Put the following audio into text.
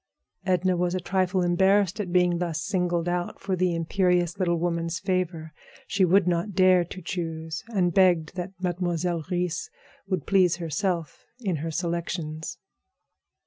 Edna was a trifle embarrassed at being thus signaled out for the imperious little woman's favor. She would not dare to choose, and begged that Mademoiselle Reisz would please herself in her selections.